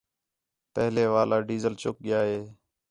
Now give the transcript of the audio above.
پہلے والا ڈیزل چُک ڳِیا ہے